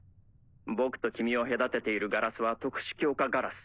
僕と君を隔てているガラスは特殊強化ガラス。